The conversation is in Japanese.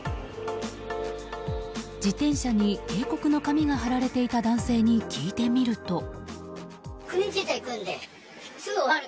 自転車に警告の紙が貼られていた男性に聞いてみると。